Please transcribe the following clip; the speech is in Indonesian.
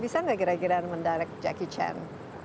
bisa gak gira gira mendirect jackie chan